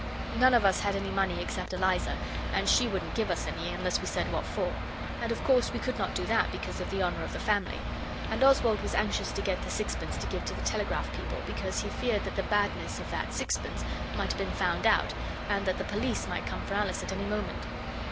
None of us had any money except Eliza, and she wouldn't give us any unless we said what for; and of course we could not do that because of the honour of the family. And Oswald was anxious to get the sixpence to give to the telegraph people because he feared that the badness of that sixpence might have been found out, and that the police might come for Alice at any moment.